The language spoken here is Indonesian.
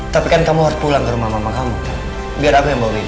tapi kan kamu harus pulang ke rumah mama kamu biar aku yang bawa baby